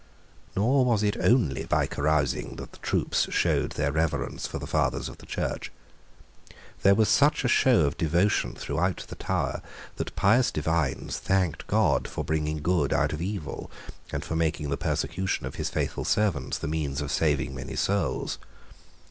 Nor was it only by carousing that the troops showed their reverence for the fathers of the Church. There was such a show of devotion throughout the Tower that pious divines thanked God for bringing good out of evil, and for making the persecution of His faithful servants the means of saving many souls.